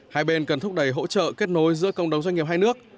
hai bên cần thúc đẩy hỗ trợ kết nối giữa công đồng doanh nghiệp hai nước